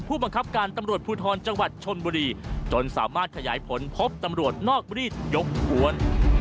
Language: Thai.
ผู้บังคับการตำรวจภูทรจังหวัดชนบุรีจนสามารถขยายผลพบตำรวจนอกรีดยกกวน